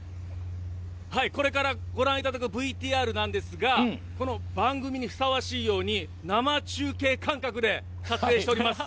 これから、ご覧いただくＶＴＲなんですがこの番組にふさわしいように生中継感覚で撮影しております。